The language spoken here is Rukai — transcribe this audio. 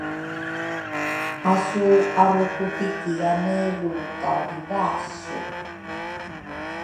asu arukutikiane lu kaurivasu.